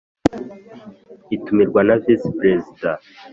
itumirwa na visi Perezida